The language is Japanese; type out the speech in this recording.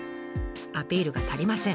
アピールが足りません。